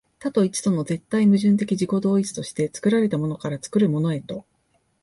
多と一との絶対矛盾的自己同一として、作られたものから作るものへと、